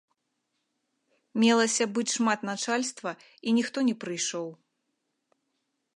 Мелася быць шмат начальства, і ніхто не прыйшоў.